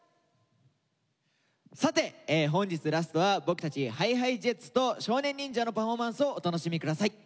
さて本日ラストは僕たちＨｉＨｉＪｅｔｓと少年忍者のパフォーマンスをお楽しみ下さい。